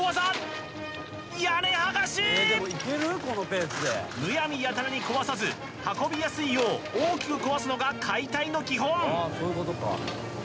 このペースでむやみやたらに壊さず運びやすいよう大きく壊すのが解体の基本